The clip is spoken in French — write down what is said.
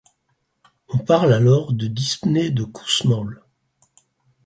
On parle alors de dyspnée de Kussmaul.